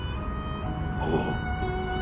ほう。